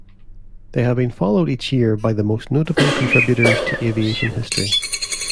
They have been followed each year by the most notable contributors to aviation history.